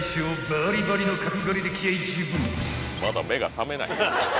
バリバリの角刈りで気合じゅうぶん］